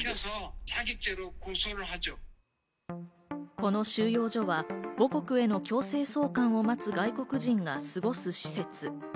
この収容所は、母国への強制送還を待つ外国人が過ごす施設。